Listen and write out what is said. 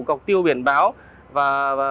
cọc tiêu biển báo và